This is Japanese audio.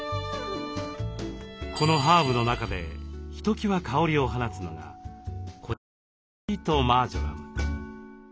このハーブの中でひときわ香りを放つのがこちらのスイートマージョラム。